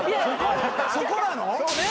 ・そこなの？